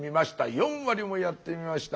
４割もやってみました。